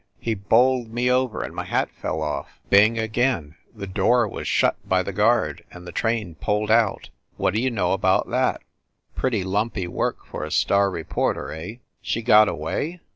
He bowled me over and my hat fell off. Bing again, the door was shut by the guard, and the train pulled out. What d you know about that? Pretty lumpy work for a star reporter, eh?" "She got away?"